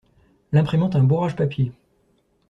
L'imprimante a un bourrage papier.